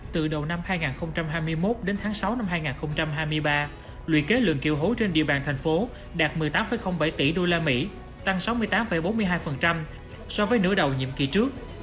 từ đầu năm hai nghìn hai mươi một đến tháng sáu năm hai nghìn hai mươi ba luyện kế lượng kiều hối trên địa bàn thành phố đạt một mươi tám bảy tỷ usd tăng sáu mươi tám bốn mươi hai so với nửa đầu nhiệm kỳ trước